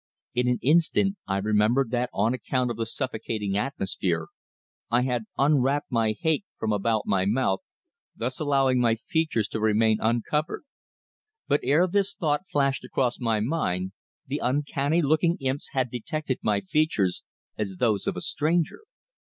In an instant I remembered that on account of the suffocating atmosphere I had unwrapped my haick from about my mouth, thus allowing my features to remain uncovered. But ere this thought flashed across my mind the uncanny looking imps had detected my features as those of a stranger.